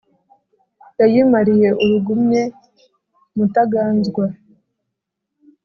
yayimariye urugumye mutaganzwa